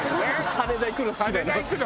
羽田行くの好きなの。